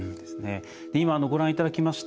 今、ご覧いただきました